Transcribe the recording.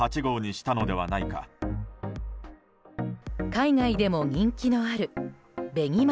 海外でも人気のある紅ま